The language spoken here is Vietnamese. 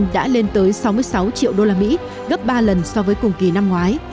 đã lên tới sáu mươi sáu triệu usd gấp ba lần so với cùng kỳ năm ngoái